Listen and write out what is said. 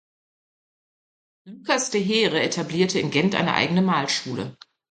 Lucas de Heere etablierte in Gent eine eigene Malschule.